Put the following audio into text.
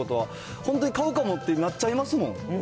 本当に買うかもってなっちゃいますもん。